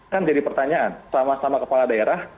kan jadi pertanyaan sama sama kepala daerah